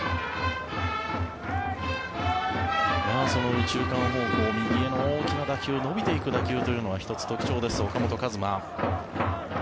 右中間方向、右への大きな打球伸びていく打球というのは１つ特徴です、岡本和真。